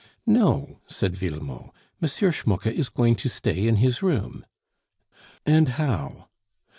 "No," said Villemot; "M. Schmucke is going to stay in his room." "And how?"